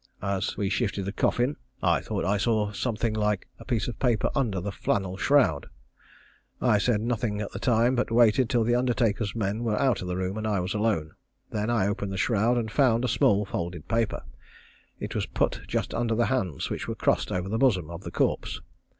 As we shifted the coffin I thought I saw some thing like a piece of paper under the flannel shroud. I said nothing at the time, but waited till the undertaker's men were out of the room and I was alone. I then opened the shroud and found a small folded paper. It was put just under the hands, which were crossed over the bosom of the corpse.